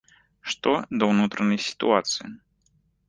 Што да ўнутранай сітуацыі.